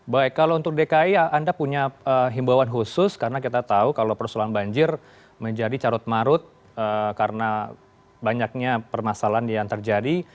baik kalau untuk dki anda punya himbauan khusus karena kita tahu kalau persoalan banjir menjadi carut marut karena banyaknya permasalahan yang terjadi